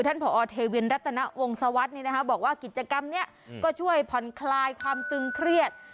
ผอเทวินรัตนวงศวรรษบอกว่ากิจกรรมนี้ก็ช่วยผ่อนคลายความตึงเครียด